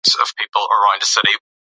بریا ستا په قدمونو کې ده.